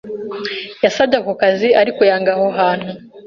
Yasabye ako kazi ariko yangwa aho hantu.